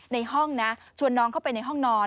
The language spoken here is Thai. ในห้องนะชวนน้องเข้าไปในห้องนอน